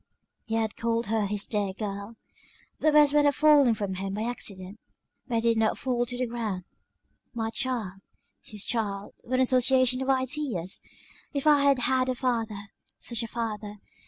He had called her his dear girl; the words might have fallen from him by accident; but they did not fall to the ground. My child! His child, what an association of ideas! If I had had a father, such a father!